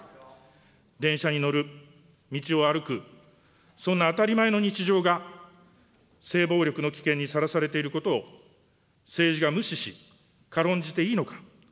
電車に乗る、道を歩く、そんな当たり前の日常が、性暴力の危険にさらされていることを政治が無視し、軽んじていいのか。